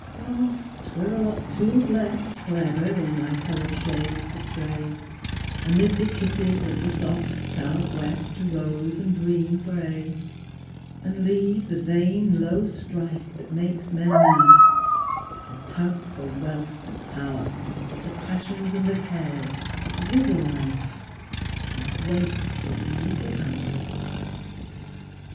Ah! 'twere a lot too blest Forever in thy coloured shades to stray; Amid the kisses of the soft south west To rove and dream for aye; And leave the vain low strife That makes men mad the tug for wealth and power, The passions and the cares that wither life, And waste its little hour.